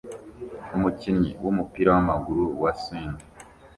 Umukinnyi wumupira wamaguru wa swingi